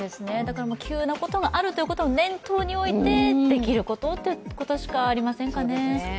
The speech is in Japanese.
急なことがあるということを念頭に置いて、できることをということしかありませんかね。